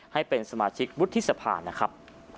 ให้เป็นสมาชิกวุฒิสภานะครับ